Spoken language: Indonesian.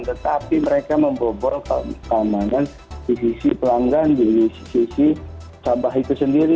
tetapi mereka membobol keamanan di sisi pelanggan di sisi sabah itu sendiri